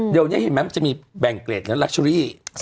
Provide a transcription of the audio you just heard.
เดี๋ยวนี้เห็นไหมมันจะมีแบ่งเกรดนะลักเชอรี่